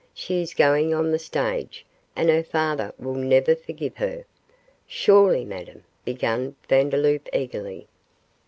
'She is going on the stage, and her father will never forgive her.' 'Surely, Madame ' began Vandeloup, eagerly.